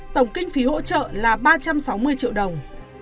tổng kinh phí hỗ trợ là ba trăm sáu mươi triệu đồng